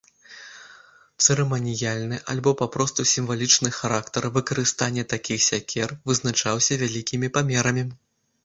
Цырыманіяльны або папросту сімвалічны характар выкарыстання такіх сякер вызначаўся вялікімі памерамі.